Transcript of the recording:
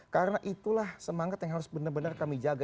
karena itulah semangat yang harus benar benar kami jaga